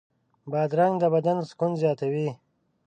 بادرنګ د بدن سکون زیاتوي.